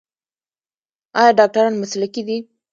آیا ډاکټران مسلکي دي؟